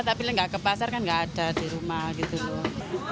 tapi nggak ke pasar kan nggak ada di rumah gitu loh